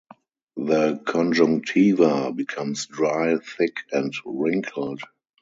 The conjunctiva becomes dry, thick and wrinkled.